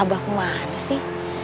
abah kemana sih